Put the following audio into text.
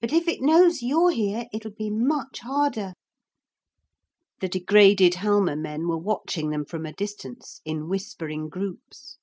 But if it knows you're here, it'll be much harder.' The degraded Halma men were watching them from a distance, in whispering groups.